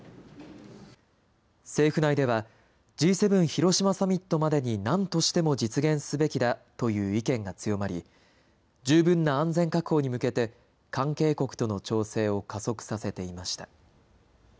政府内ではＧ７広島サミットまでに何としても実現すべきだという意見が強まり十分な安全確保に向けて関係国との調整を加速させていました。